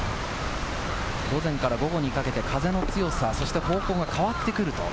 午前から午後にかけて、風の強さ、方向が変わってくる。